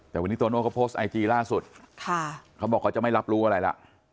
แต่วันนี้โตโน่เขาโพสต์ไอจีล่าสุดเขาบอกเขาจะไม่รับรู้อะไรล่ะ